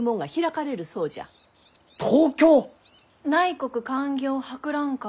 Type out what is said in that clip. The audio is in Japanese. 内国勧業博覧会？